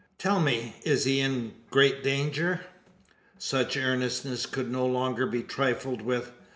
Tell me is he in great danger?" Such earnestness could no longer be trifled with.